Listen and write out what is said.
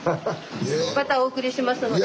またお送りしますので。